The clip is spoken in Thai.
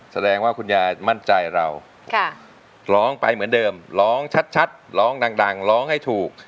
แสดงว่าคุณยายมั่นใจเราร้องไปเหมือนเดิมร้องชัดร้องดังร้องให้ถูก